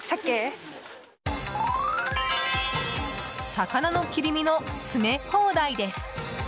魚の切り身の詰め放題です。